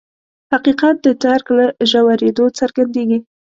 حقیقت د درک له ژورېدو څرګندېږي.